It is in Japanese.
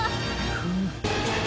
フム。